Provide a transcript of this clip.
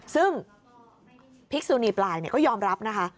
ซึ่งพิกษุนีปลายก็ยอมรับนะคะ